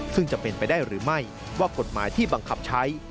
ซึ่งจะเป็นไปได้หรือไม่ว่ากฎหมายที่บังคับใช้